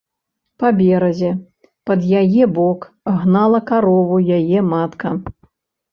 Па беразе, пад яе бок, гнала карову яе матка.